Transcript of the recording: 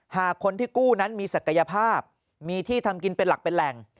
หากคนที่กู้นั้นมีศักยภาพมีที่ทำกินเป็นหลักเป็นแหล่ง